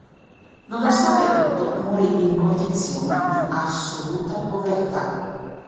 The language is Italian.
Nonostante tutto, morì in condizioni di assoluta povertà.